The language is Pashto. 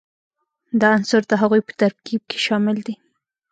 دا عنصر د هغوي په ترکیب کې شامل دي.